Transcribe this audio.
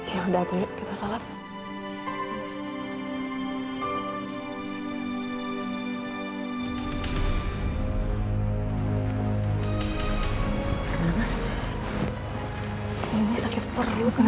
ya udah tuyuk